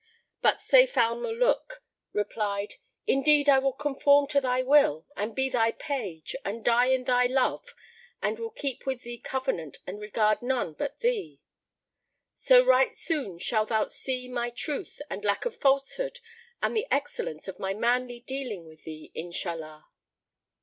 But Sayf al Muluk replied, "Indeed, I will conform to thy will and be thy page and die in thy love and will keep with thee covenant and regard non but thee: so right soon shalt thou see my truth and lack of falsehood and the excellence of my manly dealing with thee, Inshallah!"